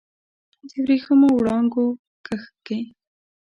د وریښمېو وړانګو کښت کې